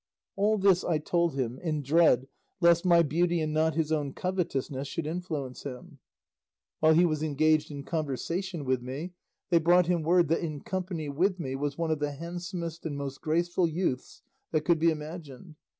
All this I told him, in dread lest my beauty and not his own covetousness should influence him. While he was engaged in conversation with me, they brought him word that in company with me was one of the handsomest and most graceful youths that could be imagined.